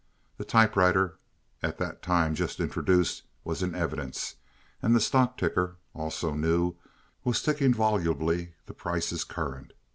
The typewriter—at that time just introduced—was in evidence, and the stock ticker—also new—was ticking volubly the prices current.